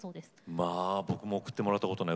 まあ僕も送ってもらったことない。